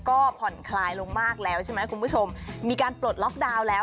ก็ผ่อนคลายลงมากแล้วใช่ไหมคุณผู้ชมมีการปลดล็อกดาวน์แล้ว